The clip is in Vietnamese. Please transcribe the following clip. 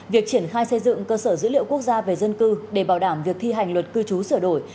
việc triển khai xây dựng cơ sở dữ liệu quốc gia về dân cư để bảo đảm việc thi hành luật cư trú sửa đổi